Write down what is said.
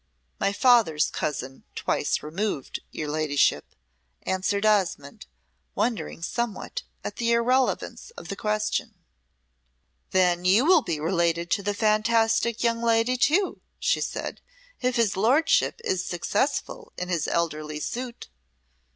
"My father's cousin twice removed, your Ladyship," answered Osmonde, wondering somewhat at the irrelevance of the question. "Then you will be related to the fantastic young lady too," she said, "if his lordship is successful in his elderly suit."